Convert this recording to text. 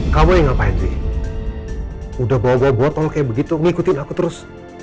kamu ingat pake udah bawa botol kayak begitu ngikutin aku terus